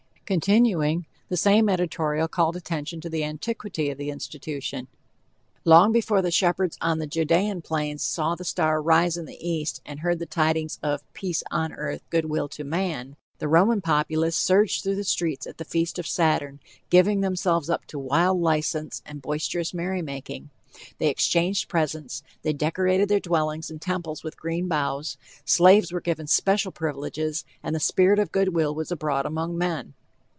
Continuing, the same editorial called attention to the antiquity of the institution: Long before the shepherds on the Judean plains saw the star rise in the east and heard the tidings of "Peace on earth, good will to man," the Roman populace surged through the streets at the feast of Saturn, giving themselves up to wild license and boisterous merry making. They exchanged presents, they decorated their dwellings and temples with green boughs; slaves were given special privileges, and the spirit of good will was abroad among men.